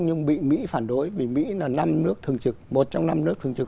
nhưng bị mỹ phản đối vì mỹ là một trong năm nước thường trực